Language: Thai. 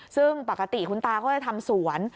ซึ่งปกติคุณตาก็จะทำสวน